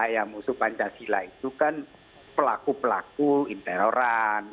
yang musuh pancasila itu kan pelaku pelaku interoran